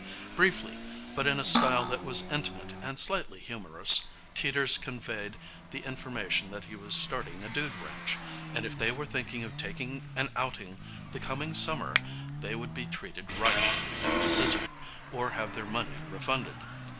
Briefly, but in a style that was intimate and slightly humorous, Teeters conveyed the information that he was starting a dude ranch, and if they were thinking of taking an outing the coming summer they would be treated right at the "Scissor" or have their money refunded.